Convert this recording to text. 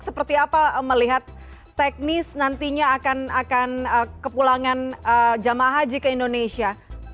seperti apa melihat teknis nantinya akan kepulangan jemaah haji ke indonesia